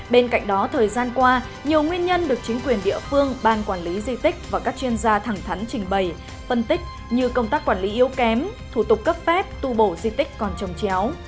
bên cạnh đó thời gian qua nhiều nguyên nhân được chính quyền địa phương ban quản lý di tích và các chuyên gia thẳng thắn trình bày phân tích như công tác quản lý yếu kém thủ tục cấp phép tu bổ di tích còn trồng chéo